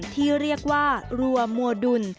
ที่เรียกว่ารัวมัวดุล